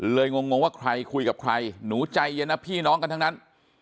งงว่าใครคุยกับใครหนูใจเย็นนะพี่น้องกันทั้งนั้น